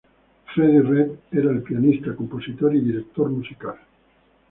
Freddie Redd era el pianista, compositor y director musical.